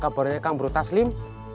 gimana kabarnya kang brutaslim